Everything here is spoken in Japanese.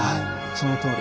そのとおり。